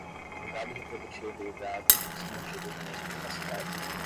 O gado reprodutivo e o gado são mantidos na mesma capacidade.